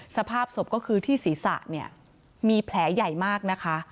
สภาพศพก็คือที่ศีรษะเนี่ยมีแผลใหญ่มากนะคะ